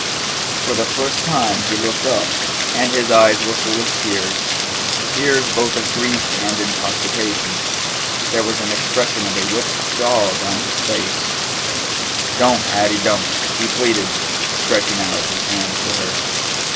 For the first time he looked up, and his eyes were full of tears tears both of grief and intoxication. There was an expression of a whipped dog on his face. "Do' Ha'ie, do' " he pleaded, stretching out his hands to her.